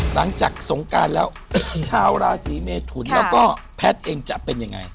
หลังจากสงการแล้วชาวราศีเมทุนแล้วก็แพทย์เองจะเป็นยังไง